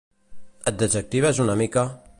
Et desactives una mica?